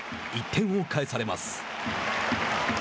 １点を返されます。